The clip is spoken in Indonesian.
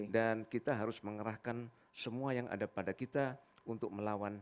dan kita harus mengerahkan semua yang ada pada kita untuk melawan